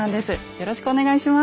よろしくお願いします。